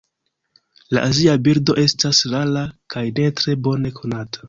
La azia birdo estas rara kaj ne tre bone konata.